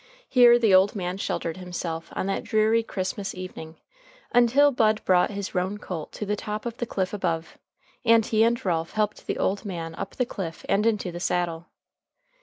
Here the old man sheltered himself on that dreary Christmas evening, until Bud brought his roan colt to the top of the cliff above, and he and Ralph helped the old man up the cliff and into the saddle.